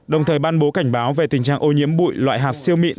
đồng thời ban bố cảnh báo về tình trạng ô nhiễm bụi loại hạt siêu mịn